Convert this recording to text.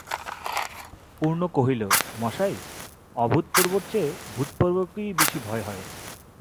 পূর্ণ কহিল, মশায়, অভূতপূর্বর চেয়ে ভূতপূর্বকেই বেশি ভয় হয়।